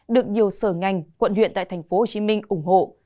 được nhiều sở ngành quận huyện tại tp hcm ủng hộ